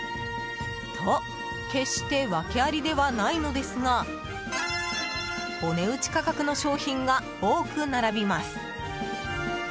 と、決して訳ありではないのですがお値打ち価格の商品が多く並びます。